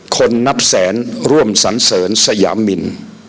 คนนับแสนร่วมสันเสริญสยามิน